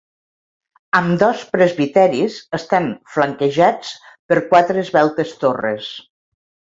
Ambdós presbiteris estan flanquejats per quatre esveltes torres.